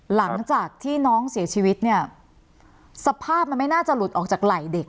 หลังจากที่น้องเสียชีวิตเนี่ยสภาพมันไม่น่าจะหลุดออกจากไหล่เด็ก